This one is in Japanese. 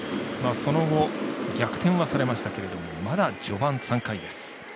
その後逆転はされましたけどまだ序盤３回です。